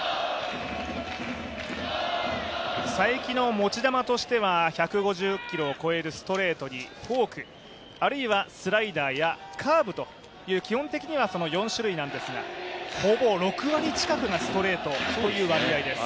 才木の持ち球としては、１５０キロを超えるストレートにフォーク、あるいはスライダーやカーブと、基本的には４種類なんですが、ほぼ６割近くがストレートという割合です。